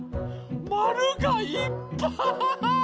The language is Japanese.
まるがいっぱい。